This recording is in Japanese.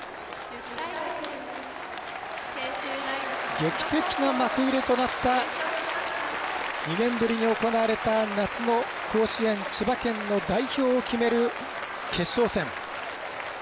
劇的な幕切れとなった２年ぶりに行われた夏の甲子園千葉県の代表を決める決勝戦。